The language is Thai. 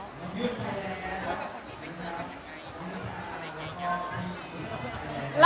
ยุ่งเลยอะ